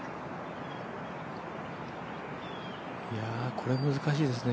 これは難しいですね。